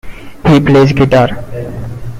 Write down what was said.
He plays guitar.